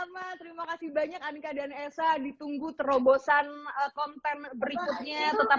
banyak banyak anika dan esa ditunggu terobosan konten berikutnya tetap